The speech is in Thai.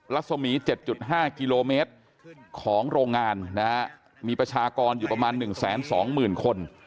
ลักษมี๗๕กิโลเมตรของโรงงานนะฮะมีประชากรอยู่ประมาณหนึ่งแสนสองหมื่นคน